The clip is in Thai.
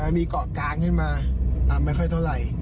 มีเกาะกลางขึ้นมาไม่ค่อยเท่าไหร่